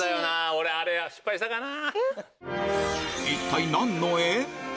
俺あれ失敗したかな。